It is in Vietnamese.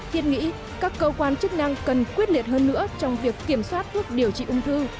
thiết nghĩ các cơ quan chức năng cần quyết liệt hơn nữa trong việc kiểm soát thuốc điều trị ung thư